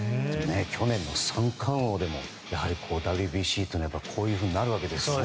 去年の三冠王でもＷＢＣというのはこういうふうになるわけですね。